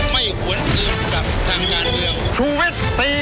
ไม่หวนอื่นกับทางงานเดียว